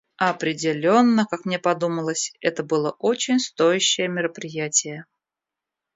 Определенно, как мне подумалось, это было очень стоящее мероприятие.